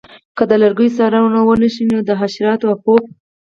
که د لرګیو څارنه ونشي د حشراتو او پوپ